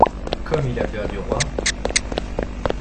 Comme il a peur du roi !